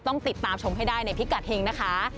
ต้องติดตามชมให้ได้ในพิกัดเฮงนะคะ